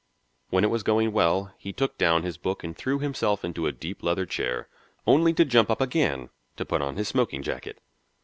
When it was going well, he took down his book and threw himself into a deep leather chair, only to jump up again to put on his smoking jacket.